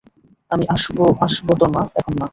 আমি আসবোতো না, এখন না।